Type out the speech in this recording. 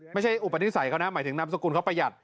ไม่ใช่อุปนิษฐ์เขานะหมายถึงนามสกุลเขาประหยัด